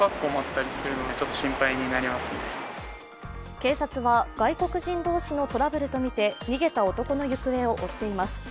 警察は外国人同士のトラブルとみて逃げた男の行方を追っています。